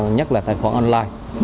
nhất là tài khoản online